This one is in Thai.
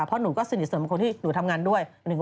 เพราะหนูก็สนิทสนในการทำงานด้วย